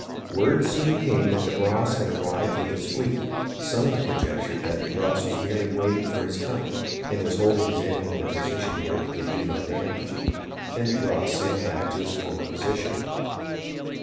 Word soon came that de Barras had arrived with his fleet (some have conjectured that de Grasse was merely waiting for his coming and was holding his enemy in a position where he could do no damage), and de Grasse sailed back to his former position.